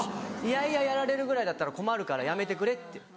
嫌々やられるぐらいだったら困るからやめてくれって。